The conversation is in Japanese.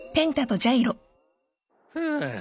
ハァ。